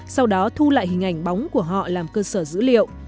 sau đó thu lại hình ảnh bóng của họ làm cơ sở dữ liệu